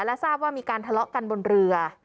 และทราบว่ามีการทะเลาะกันบนเรือ